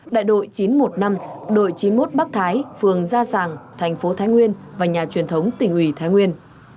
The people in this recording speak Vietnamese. đại đội chín trăm một mươi năm đội chín mươi một bắc thái phường gia sàng thành phố thái nguyên và nhà truyền thống tỉnh ủy thái nguyên